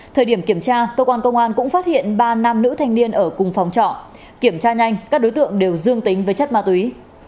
thời điểm kiểm tra cơ quan công an cũng phát hiện ba nam nữ thanh niên ở cùng phòng trọ kiểm tra nhanh các đối tượng đều dương tính với chất ma túy